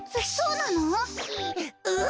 そそうなの？